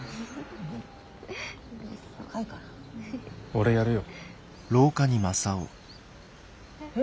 俺やるよ。え？